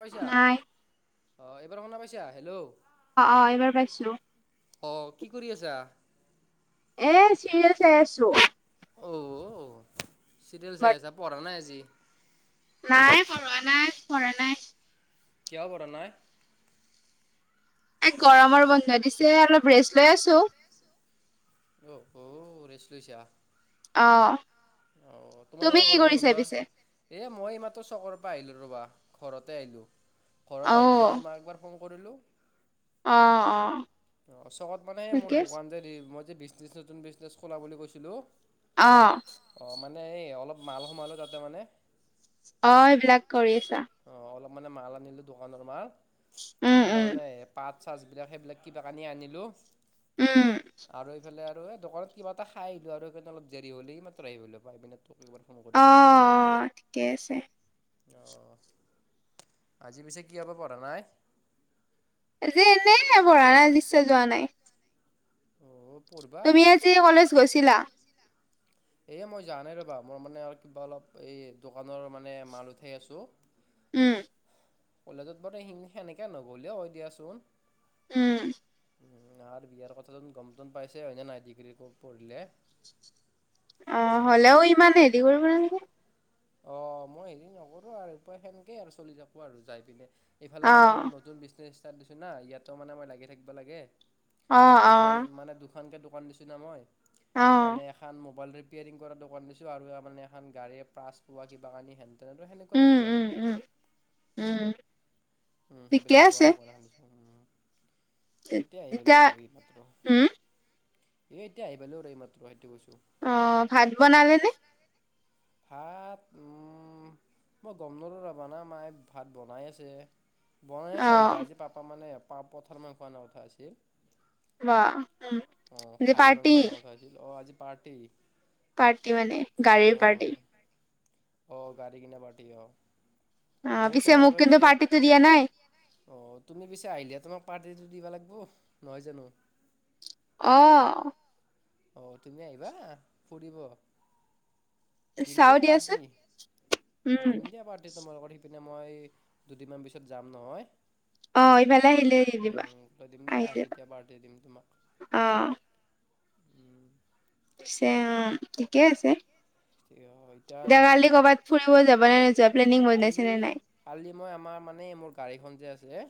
পাইছা, নাই অ', এইবাৰ শুনা পাইছা, হেল্ল'। অ', অ', এইবাৰ পাইছোঁ। অ', কি কৰি আছা? এ, চিৰিয়াল চাই আছো। অ', চিৰিয়েল বাট চাই আছা, পঢ়া নাই আজি? নাই পঢ়োৱা নাই, পঢ়া নাই। কিয় পঢ়া নাই? এ, গৰমৰ বন্ধ দিছে, অলপ ৰেষ্ট লৈ আছো। অহ, অ', ৰেষ্ট লৈছা? অ আহ, তোমাৰ তুমি লোকৰ কি গৰমৰ কৰিছা বন্ধ পিছে এই, মই এইমাত্ৰ চকৰৰ পৰা আহিলোঁ ৰ'বা, ঘৰতে আহিলোঁ, ঘৰত অ আহি পিনে তোমাক একবাৰ ফোন কৰিলো, অ অ অ', চকত মানে মোৰ ঠিকে আছে দোকান যে দিম মই বিজনেচ নতুন বিজনেছ খোলা বুলি কৈছিলো। অ'। অ' মানে এই, অলপ মাল সোমালো তাতে মানে। অ', এইবিলাক কৰি আছা। অ', অলপ মানে মাল আনিলো দোকানৰ মাল, উম এইফালে উম মানে পাত চাৰ্জবিলাক সেইবিলাক কিবা কানি আনিলো। উম। আৰু এইফালে আৰু এই দোকানত কিবা এটা খাই আহিলো আৰু সেইকাৰণ অলপ দেৰি হ'ল, এই মাত্ৰ আহি পালো। পাই পেলাই তোক এইবাৰ ফোন অ কৰিলো অ ঠিকে আছে। অ', অ' আজি পিছে কিয়বা পঢ়া নাই? আজি এনেই পঢ়া নাই ইচ্ছা যোৱা নাই। অঁ পঢ়িবা তুমি আজি কলেজ গৈছিলা? এই মই যোৱা নাই ৰ'বা। মোৰ মানে আৰু কিবা অলপ এই দোকানৰ মানে মাল উঠাই আছো উম। কলেজত বাৰু সেন-সেনেকে নগ'ললেও হয় দিয়াচোন। উম। আৰু বিয়াৰ কথাটোন গম চম পাইচাই হয়নে নাই ডিগ্ৰী পঢ়িলে অ হ'লেও ইমান হেৰি কৰিব নালাগে। অ মই হেৰি নকৰো আৰু সেনেকে আৰু চলি থাকো আৰু যাই পিনে। এইফালে অ মানে মই নতুন বিজনেছ ষ্টাৰ্ট দিছোঁ না, ইয়াতো মানে মই লাগি থাকিব লাগে। অ অ দুখন মানে দুখনকে দোকান দিছো না মই অ মানে এ এখন মোবাইল ৰিপেয়াৰিং কৰা দোকান দিছো আৰু মানে এখন গাৰি পাছ পোৱা কিবা কাৰণে তেনেদৰে সেনেকুৱা উম, বস্তু উম, আৰু। উম, উম। উম ঠিকে সেইবিলাক পোৱা আছে। দোকান এখন দিছো আৰু উম। এতিয়া আহি পালো আৰু এই মাত্ৰ। উম, এ এতিয়া আহি পালো আৰু এই মাত্ৰ সেইটো কৈছো। অ, ভাত বনালেনে? ভাত মই গম নাপাওঁ আৰু না মায়ে ভাত বনাই আছে বনাই আছে পা, অ', আজি পাপা মানে পা-পাথাৰ মাংস অনাৰ কথা আছিল বা উম, অ' যে খাহি পাৰ্টি, মাংস অনা কথা আছিল, অ' আজি পাৰ্টি। পাৰ্টি মানে, গাড়ীৰ পাৰ্টি। অ' গাড়ী কিনে পাৰ্টি অহ। অ পিছে মোক তোমালোকে কিন্তু পিছে পাৰ্টিটো দিয়া নাই। অঁ তুমি পিছে আহিলে তোমাক পাৰ্টিটো দিবা লাগিব, নহয় জানো। অহ। অ তুমি আহিবা ফুৰিব দিম চাও দিয়া পাৰ্টি, দিয়াচোন। উম, দিম দিয়া পাৰ্টি তোমালোকৰ সেই পিনে মই দুদিনমান পিছত যাম নহয়। অ', ইফালে আহিলে দি দিবা, উম, ত' দিম দিয়া তেতিয়া পাৰ্টি দিম তোমাক। আহ। উম। পিছে অ' ঠিকে আছে। ইতান দেৱালি কৰ'বাত ফুৰিব যাব নে নু কালি, কালি মই আমাৰ মানে মোৰ গাড়ীখন যে আছে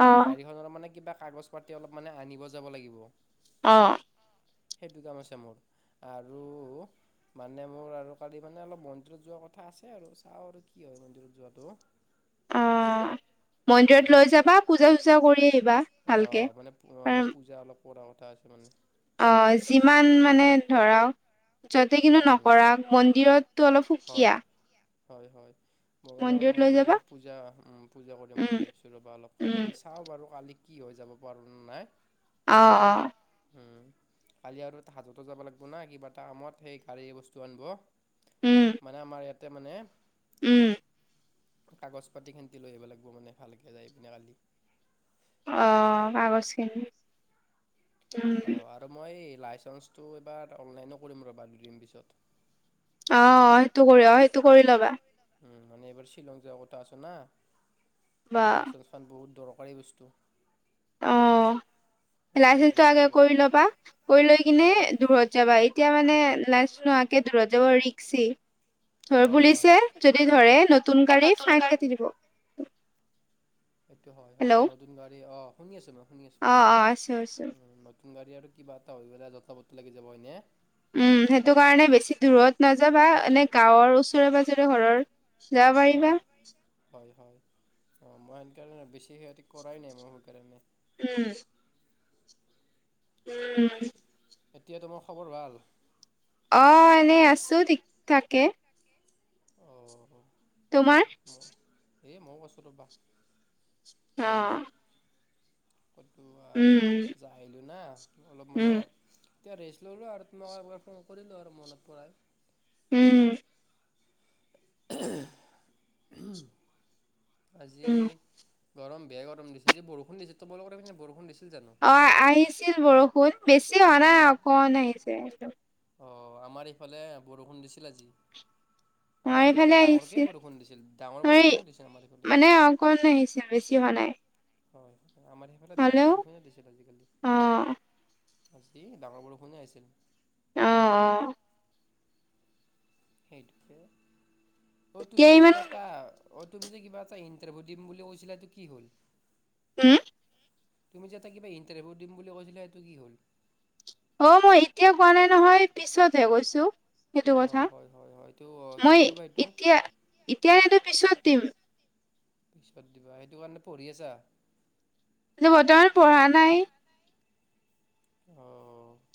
অ', গাড়ীখনৰ মানে কিবা কাগজ পাতি অলপ মানে আনিব যাব লাগিব। অহ'। সেইটো কাম আছে মোৰ আৰু মানে মোৰ আৰু কালি মানে অলপ মন্দিৰত যোৱাৰ কথা আছে আৰু চাওঁ আৰু কি হয় মন্দিৰত যোৱাটো। [unintelligible] অ' মন্দিৰত মানে লৈ যাবা, পূজা-চূজা কৰি আহিবা অঁ ভালকৈ মানে মানে [inaudible] পূজা অলপ কৰা কথা আছে মানে। অঁ যিমান মানে ধৰা, - সিহঁতে কিন্তু উম নকৰা মন্দিৰতটো অলপ হয় সুকীয়া। হয় হয়, মই মানে মানে লৈ মন্দিৰত যাবা অলপ পূজা পূজা কৰিম উম বুলি ভাবিছোঁ ৰ'বা অলপ উম কালিছ- চাওঁ বাৰু কালি কি হৈ যাব পাৰোঁ নাই। অঁ অঁ' হুম কালি আৰু তেহেত দুটাও‌ যাব লাগিব না কিবা এটা কামত সেই গাড়ীৰ বস্তু আনিব। উম মানে আমাৰ ইয়াতে মানে- উম কাগজ পাতিখিনি লৈ আহিব লাগিব মানে ভালকে যায় পিনে কালি। অঁ কাগজখিনি। অঁ আৰু মই লাইচেঞ্চটো এইবাৰ অনলাইনো কৰিম ৰ'বা দুদিন পিছত। অঁ' সেইটো কৰি অ সেইটো কৰি ল'বা। উম' মানে এইবাৰ শ্বিলং যোৱা কথা আছ না বা মানে লাইচেন্ঞ্চ খন বহুত দৰকাৰী বস্তু। সেইখন লাইচেন্ঞ্চটো অনলাইন আগে কৰিব লাগিব কৰি ল'বা, কৰি লৈ কিনে হয়। দূৰৰত যাবা। এই- এতিয়া মানে লাইচ নোহোৱাকে দূৰত যাব ৰিক্সি। ধৰ হয়, হয়। পুলিচে যদি ধৰে নতুন এই গাড়ী নতুন ফাইন কাটি দিব। সেইটো হয় হয়। হেল্ল' অ নতুন গাড়ী অঁ শুনি আছোঁ মই শুনি আছোঁ। অ আছো আছো নতুন গাড়ী আৰু কিবা এটা হৈ গ'লে যতা পতি লাগি যাব হয়নে? উম' সেইটো কাৰণে বেছি দূৰত নাযাবা। এনে গাঁৱৰ ওচৰে পাজৰে ঘৰৰ- যাব পাৰিবা হয় হয় হয় হয়, অঁ মই আন কাৰণে বেছি সিহঁতি কৰাই নাই মই সেইকাৰণে। উম' উম' এতিয়া তোমাৰ খবৰ ভাল? অঁ এনেই আছোঁ ঠিক থাকে। অঁ হ। তোমাৰ? এই মও কছো ৰ'বা। অঁ' কতোৱাৰ যাই আহিলো না অলপ উম, মানে- এতিয়া ৰেষ্ট ল'লোঁ, আৰু তোমাক একবাৰ ফোন কৰিলোঁ আৰু মনত পৰাৰ- উম' উহুম' আজি উম, গৰম বেয়া গৰম দিছে। আজি বৰষুণ দিছে। তোমালোকৰ এপিনে বৰষুণ দিছিল জানো? অঁ আহিছিল বৰষুণ বেছি হোৱা নাই, অকণ আহিছে। অ আমাৰ এইফালে বৰষুণ দিছিল আজি। আমাৰ আাৰ এইফালে ডাঙৰকেই আহিছিল বৰষুণ দিছিল, ডাঙৰ বৰষুণে দিছিল আমাৰ এইফালে। কম আহিছিল বেছি হৱা নাই। হয়, আমাৰ সেইফালে ডাঙৰ হ'লেও বৰষুণে দিছিল আজিকালি। অ', আজি ডাঙৰ বৰষুণে আহিছিল। অ' অ' সেইটোকে, অ' তুমি এতিয়া যে ইমান কিবা এটা- অ' তুমি যে কিবা এটা ইণ্টাৰভিউ দিম বুলি কৈছিলা, এটো কি হ'ল? উওম' তুমি যে এটা কিবা ইণ্টাৰভিউ দিম বুলি কৈছিলে সেইটো কি হ'ল? অ' মই এতিয়া কোৱা নাই নহয় পিছতহে কৈছো। সেইটো অ কথা, হয় হয় হয় এইটো কি মই কৰিবা এইটো এতিয়া এতিয়া এটো পিছত দিম। পিছত দিবা। সেইটো কাৰণে পঢ়ি আছা? নাই বৰ্তমান পঢ়া নাই। অঁ অঁ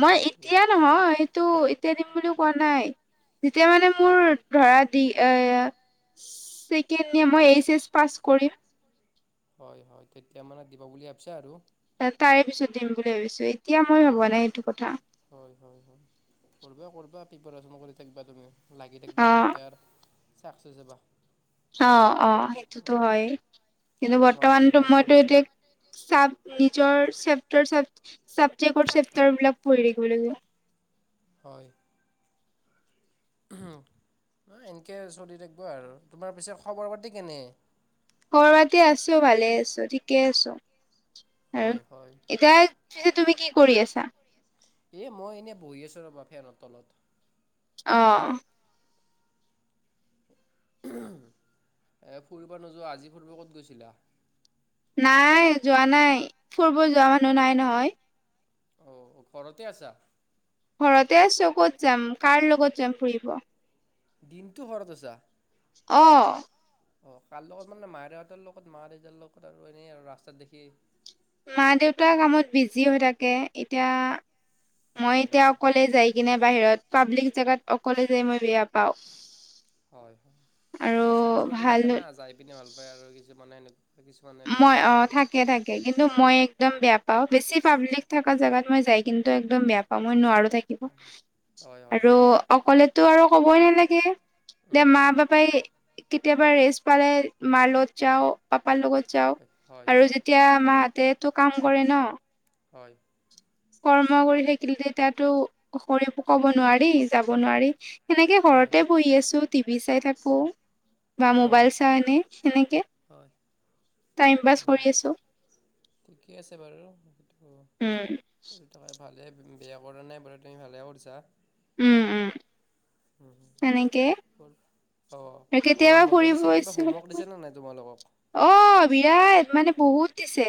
মই এতিয়া নহয়, এইটো এতিয়া দিম বুলিও কোৱা নাই। যেতিয়া মানে মোৰ হয় ধৰা ডি এ ছেকেণ্ড ইয়ে মই এইচ এছ পাছ কৰিম। হয় হয় তেতিয়া মানে দিব বুলি ভাবিছে আৰু। তাৰে পিছত দিম বুলি ভাবিছোঁ, এতিয়া অ মই ভবা নাই এইটো কথা। হয় হয় হয়। কৰিবা কৰিবা প্ৰিপেয়াৰেচনো কৰি থাকিবা তুমি। লাগি অ থাকিবা তেতিয়া চাক্সেছ হ'বা। অ অ সেইটোতো হয়ে, কিন্তু মই বৰ্তমানটো আশীৰ্বাদ সময়তো কৰিছোঁ এতিয়া চাব নিজৰ চেপ্টাৰ চাবজেক্টৰ চেপ্টাৰ বিলাক পঢ়ি থাকিব লাগিব। হয়। এনেকৈ চলি থাকিব আৰু, তোমাৰ পিছে খবৰ পাতি কেনে? খবৰ পাতি আছোঁ ভালে আছোঁ ঠিকে আছোঁ আৰু হয় হয়। এতিয়া। পিছে তুমি কি কৰি আছা? এই মই এনেই বহি আছোঁ ৰ'বা ফেনৰ তলত। অঁ এ ফুৰিব নোযোৱা, আজি ফুৰিব ক'ত গৈছিলা? নাই যোৱা নাই, ফুৰিব যোৱা মানুহ নাই নহয়। অঁ ঘৰতে আছা? ঘৰতে আছোঁ ক'ত যাম কাৰ লগত যাম ফুৰিব। দিনটো ঘৰত আছা? অঁ। অ কাৰ লগত মানে মাইৰে হঁতৰ লগত মা দেউতাৰ লগত আৰু এনেই আৰু ৰাস্তাত দেখি। মা দেউতা কামত বিজি হৈ থাকে এতিয়া। মই এতিয়া অ' অকলে যাই কিনে বাহিৰত পাব্লিক জেগাত অকলে যাই মই বেয়া পাওঁ। হয় হয় আৰু কিছুমান ছোৱালী ভাল থাকে না যাই পিনে ভাল পায় আৰু কিছুমানে সেনে। কিছুমানে বেয়া মই পায় অ', বাৰু। থাকে থাকে কিন্তু মই একদম বেয়া পাওঁ বেছি পাব্লিক থাকা জেগাত মই যাই কিন্তু একদম বেয়া পাওঁ মই নোৱাৰোঁ থাকিব। হয় হয় আৰু অকলেতো আৰু কবই নালাগে। এতিয়া মা উম পাপাই কেতিয়াবা ৰেষ্ট পালে মাৰ লগত যাওঁ পাপাৰ লগত। যাওক, হয় হয় আৰু হয় যেতিয়া মাহঁতে টো কাম কৰে ন। হয়। কৰ্ম কৰি থাকিলে তাতো কৰি ক'ব নোৱাৰি যাব নোৱাৰি। সেনেকে ঘৰতে বহি আছোঁ টিভি চাই থাকোঁ। বা হয় মোবাইল চাওঁ এনে সেনেকে হয় টাইম পাছ কৰি আছোঁ। ঠিকেই আছে বাৰু সেইটো। হুম। কৰি থাকা ভালে বেয়া কৰা নাই বাৰু তুমি ভালে কৰিছা। উম উম। হুম। সেনেকে অঁ আৰু কেতিয়াবা গৰম বন্ধৰ ফুৰিব পিছে কিবা ইচ্ছা হোমৱৰ্ক দিছে নে নাই তোমালোকক? অ বিৰাট মানে বহুত দিছে।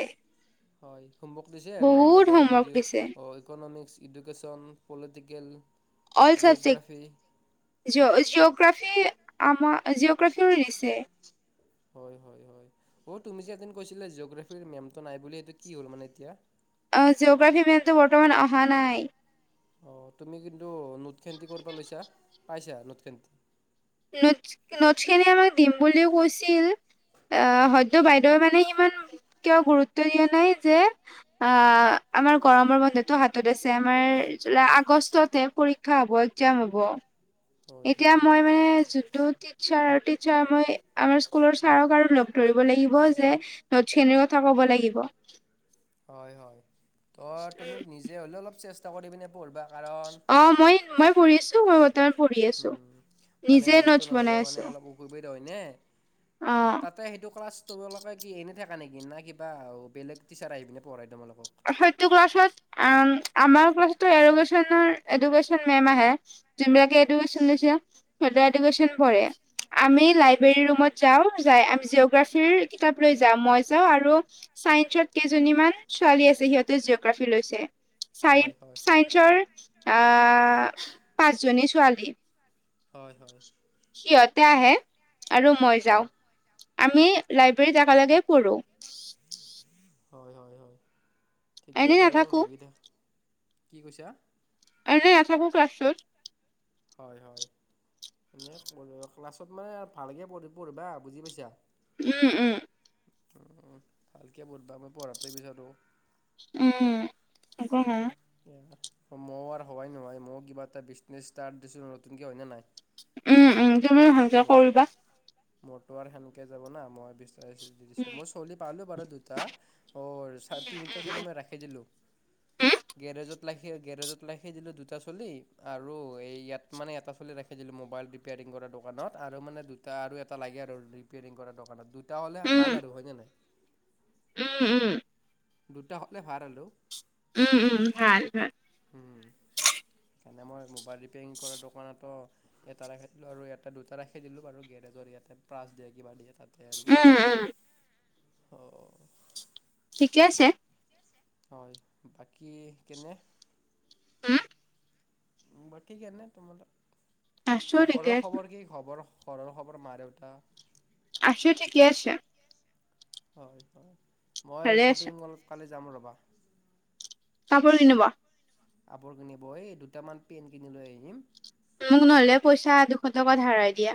হয় হোমৱৰ্ক দিছে গৰম বহুত বন্ধৰ এই হোমৱৰ্ক যে দিছে অ economics. Education, political. All subject. Geography geo, geography, আমাৰ জিঅ'গ্ৰাফীও দিছে। হয়, হয়, হয়, অ, তুমি যে এক দিন কৈছিলা জিঅ'গ্ৰাফীৰ মেমটো নাই বুলি এইটো কি হ'ল মানে এতিয়া। অঁ, জিঅ'গ্ৰাফীৰ মেমটো বৰ্তমান অহা নাই। অঁ, তুমি কিন্তু নোটখেন কিহৰ পৰা লৈছা, পাইছা নোটখেন? নোটচ, নোটচখিনি আমাক দিম বুলিও কৈছিল আহ হয় তো বাইদেউৱে মানে হিমান কিয় গুৰুত্ব দিয়া নাই যে আ, আমাৰ গৰমৰ বন্ধতো হাতত আছে, আমাৰ জুলাই-আগষ্টতহে পৰীক্ষা পৰীক্ষা হ'ব, একজাৰ্ম হ'ব, হয় এতিয়া হয় মই মানে যোনটোত টিক ছাৰ-টিছাৰ মই আমাৰ স্কুলৰ ছাৰক আৰু লগ ধৰিব লাগিব যে নোটচখিনিৰ কথা ক'ব লাগিব। হয়, হয়, ত', তুমি নিজে হ'লেও অলপ চেষ্টা কৰি পিনে পঢ়বা। অ, মই মই পঢ়িছো, মই বৰ্তমান পঢ়ি আছো। মানে নিজে মেমটো নোটছ বনাই নহ'লেও মানে আছো অলপ অসুবিধা হয়নে! অ তাত তাত সেইটো ক্লাছ তোমালোকে কি এনে থাকা নেকি? না কিবা বেলেগ টিচাৰ আহি পিনে পঢ়াই তোমালোকক? সেইটো ক্লাছত, উম, আমাৰ ক্লাছতো এডুকেশ্যনৰ এডুকেশ্যন মেম আহে। যোনবিলাকে এডুকেশ্যন লৈছে সিহঁতে এডুকেশ্যন পঢ়ে। আমি লাইব্ৰেৰী ৰুমত যাওঁ, যাই আমি জিঅ'গ্ৰাফীৰ কিতাপ লৈ যাওঁ, মই যাওঁ আৰু চায়েন্সত কেইজনীমান ছোৱালী আছে সিহঁতে জিঅ'গ্ৰাফি লৈছে, চাই হয় হয় হয় চায়েন্সৰ আহ! পাঁচজনী ছোৱালী। হয় হয় সিহঁতে আহে আৰু মই যাওঁ। হয় আমি লাইব্ৰেৰীত একেলগেই পঢ়োঁ। হয়, হয়, হয়, ঠিকে এনে বাৰু নাথাকো লাগি থাকা। কি কৈছা? এনে নাথাকোঁ ক্লাছটোত। হয়, হয়। এ, ক্লাছত মানে আৰু ভালকে পঢ়ি পঢ়িবা, বুজি পাইছা। উম, উম। অ, ভালকে পঢ়বা, মই পঢ়াটোৱে বিচাৰো। উম, [unintelligible] [unintelligible] মই কিবা এটা বিজনেছ ষ্টাৰ্ট দিছোঁ নতুনকে হয়নে নাই! উম, উম, তুমিও ভালকে কৰিবা। মোৰ আৰু সেনকে যাব না। মই বেছি [unintelligible] দিছোঁ উম, মই চলি পালোঁ বাৰু দুটা, অ, তিনিটা চলি মই ৰাখি দিলোঁ। উম, গেৰেজত ৰাখি, গেৰেজত ৰাখি দিলো দুটা চলি আৰু এই ইয়াত মানে এটা চলি ৰাখি [unintelligible] মোবাইল ৰিপেয়াৰিং কৰা দোকানত আৰু মানে দুটা আৰু এটা লাগে আৰু ৰিপেয়াৰিং কৰা দোকানত দুই তা হ'লে উম, ভাল আৰু হয়নে নাই! উম, উম। দুটা হ'লে ভাল। [unintelligible] উম, উম, ভাল-ভাল। উম, মানে মই মোবাইল ৰিপেয়াৰিং কৰাৰ দোকানতো এটা ৰাখি দিলো আৰু ইটা দুটা ৰাখি দিলো বাৰু, গেৰেজৰ ইয়াতে প্ৰাছ দিয়ে, কিবা দিয়ে। তাতে আৰু। উম, উম, অঁ, অ। ঠিকে আছে। হয় বাকী কেনে হম বাকী কেনে তোমালোক আছো ঘৰৰ ঠিকে আছো, খবৰ কি খবৰ ঘৰৰ খবৰ মা দেউতা। আখিও ঠিকে আছে। হয় হয় মই ভালে আছো। শ্বপিং মলত কালি যাম ৰ'বা কাপোৰ কিনিব। কাপোৰ কিনিব এই দুটামান পেণ্ট কিনি লৈ আহিম। মোক নহলে পইচা দুশ টকা ধাৰাই দিয়া।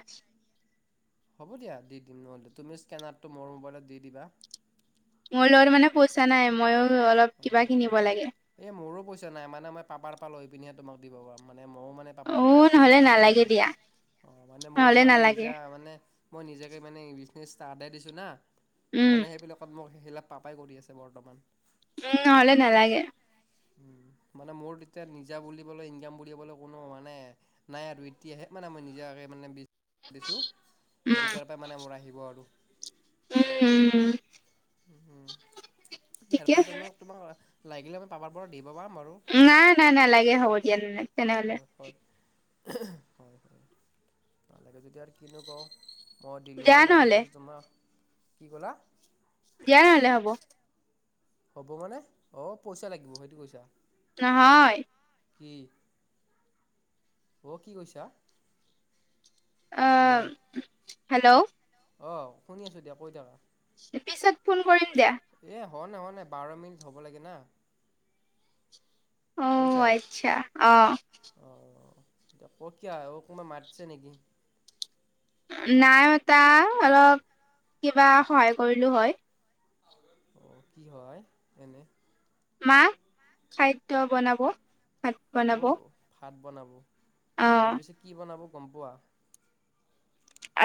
হ'ব দিয়া দিম নহ'লে তুমি স্কেনাৰটো মোৰ মোবাইলত দি দিবা। মোৰ লগত মানে পইচা নাই মইও অলপ অ কিবা কিনিব লাগে। এই মোৰো পইচা নাই মানে মই পাপাৰ পৰা লৈ পিনিহে তোমাক দিব পাৰ মানে মইও মানে পাপাৰ অ', নহ'লে পইচা দেই নালাগে মানে দিয়া, অঁ মানে মোৰ নহ'লে মানে নালাগে। নিজা মানে মই নিজাকে মানে বিজনেছ এ আদায় দিছোঁ না উম, মানে সেইবিলাকত মোক হিলাপ পাপাই কৰি আছে বৰ্তমান উম হলে নালাগে। উ মানে মোৰ তেতিয়া নিজা বুলিবলৈ ইনকাম বুলিবলৈ কোনো মানে নাই আৰু এতিয়াহে মানে মই নিজাকে মানে দিছোঁ এই উম, দুটাৰ পৰা মানে মোৰ আহিব আৰু উম উম উ ইয়াৰ ঠিকে আছে। পৰা মোৰ তোমাক লাগিলে আমি পাপৰ পৰা দিব পাম আৰু নাই নাই নাই নালাগে হ'ব দিয়া নাই তেনেহ'লে হয়, হয়, হয় হয় পালেগে যেতিয়া কিনো কওঁ মই দিলোঁ দিয়া হয় লাগে নহ'লে। যদি তোমাৰ কি ক'লা দিয়া নহলে হ'ব হ'ব মানে অঁ পইচা লাগিব সেইটো কৈছা। নহয় কি অ কি কৈছা। অ হেল্ল' অঁ শুনি আছোঁ দিয়া কৈ থাকা। পিছত ফোন কৰিম দিয়া এ হোৱা নাই হোৱা নাই বাৰ মিনিট হ'ব লাগে না। অ শুনিছা? আচ্ছা আহ অঁ এতিয়া [inaudible] কোনোবাই মাতিছে নেকি। নাই মতা অলপ কিবা সহায় কৰিলো হয়। অ কি সহায় এনেই মা খাদ্য বনাব ভাত বনাব। অ' ভাত বনাব আজি পিছে কি বনাব গম পোৱা। অ'